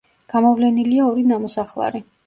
გამოვლენილია ორი ნამოსახლარი.